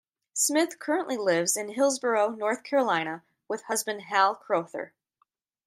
Smith currently lives in Hillsborough, North Carolina with husband Hal Crowther.